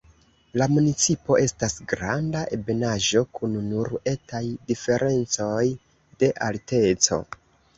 La municipo estas granda ebenaĵo kun nur etaj diferencoj de alteco.